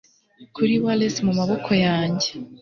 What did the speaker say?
kuri wales mu maboko yanjye